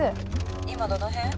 今どの辺？